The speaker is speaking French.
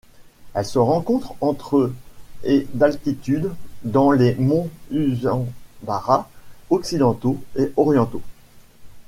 Elle se rencontre entre et d'altitude dans les monts Usambara occidentaux et orientaux.